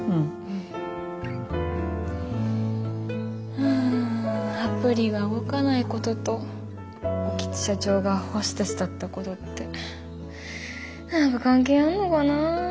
うんアプリが動かないことと興津社長がホステスだったことって何か関係あんのかな。